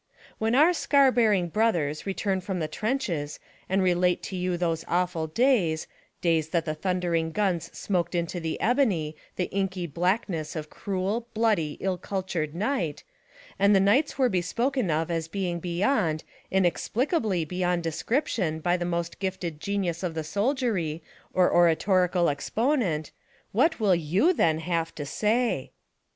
When our scar bearing brothers return from the trenches, and relate to you those awful days— days that the thundering guns smoked into the ebony, the inky blackness of cruel, bloody, ill cultured night; and the nights are be spoken of as being beyond, inexplicably beyond description by the most gifted genius of the soldiery, or oratorical exponent, what will you then have to say?